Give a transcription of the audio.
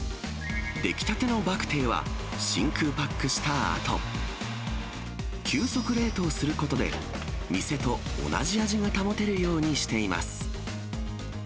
出来たてのバクテーは、真空パックしたあと、急速冷凍することで、店と同じ味が保てるようにしています。